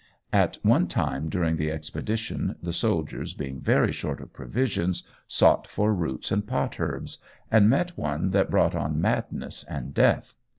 At one time during the expedition, "the soldiers being very short of provisions, sought for roots and pot herbs ... and met one that brought on madness and death.